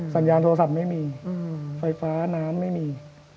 สัญญาณโทรศัพท์ไม่มีไฟฟ้าน้ำไม่มี